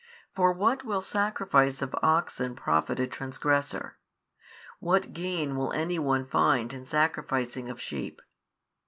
For what will sacrifice of oxen profit a transgressor, what gain will any one find in sacrificing of sheep?